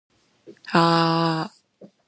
En Europa, mientras tanto Latino!